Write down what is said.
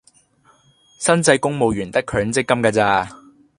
新制公務員得強積金架咋